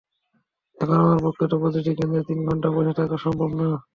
এখন আমার পক্ষে তো প্রতিটি কেন্দ্রে তিন ঘণ্টা বসে থাকা সম্ভব না।